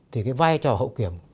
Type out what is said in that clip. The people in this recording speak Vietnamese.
thì cái vai trò hậu kiểm